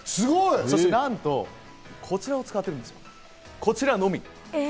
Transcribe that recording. そして何と、こちらを使ってるんですよ、こちらのみ。